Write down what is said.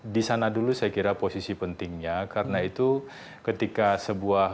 di sana dulu saya kira posisi pentingnya karena itu ketika sebuah rancangan undang undangan